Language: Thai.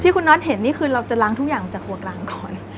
คุณน็อตเห็นนี่คือเราจะล้างทุกอย่างจากหัวกลางก่อน